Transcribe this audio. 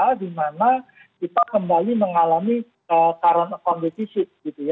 terlihat di kita di mana kita kembali mengalami current economy deficit